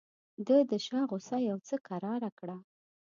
ده د شاه غوسه یو څه کراره کړه.